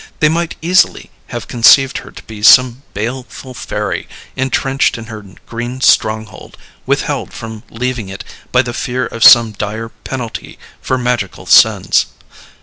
They might easily have conceived her to be some baleful fairy intrenched in her green stronghold, withheld from leaving it by the fear of some dire penalty for magical sins.